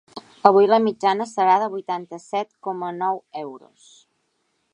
Avui la mitjana serà de vuitanta-set coma nou euros.